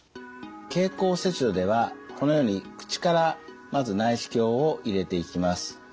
経口切除ではこのように口からまず内視鏡を入れていきます。